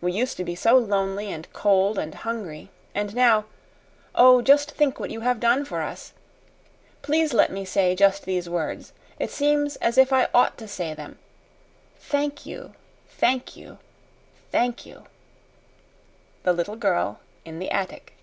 We used to be so lonely and cold and hungry, and now oh, just think what you have done for us! Please let me say just these words. It seems as if I OUGHT to say them. THANK you THANK you THANK you! THE LITTLE GIRL IN THE ATTIC.